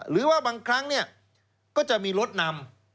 หรือว่าบางครั้งก็จะมีรถนำ